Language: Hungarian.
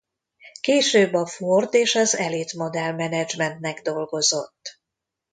Később a Ford és az Elite Model Management-nek dolgozott.